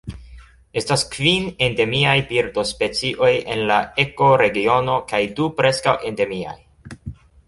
Estas kvin endemiaj birdospecioj en la ekoregiono kaj du preskaŭ endemiaj.